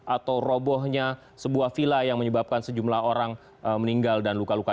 atau robohnya sebuah villa yang menyebabkan sejumlah orang meninggal dan luka luka